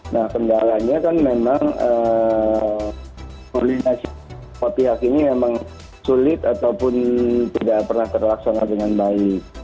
nah kendalanya kan memang koordinasi ini memang sulit ataupun tidak pernah terlaksana dengan baik